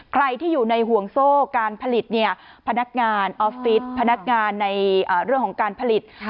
ใครที่อยู่ในห่วงโซ่การผลิตพนักงานออฟฟิศพนักงานในเรื่องของการผลิต